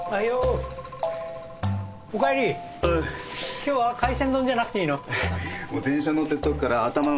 今日は海鮮丼じゃなくていいの？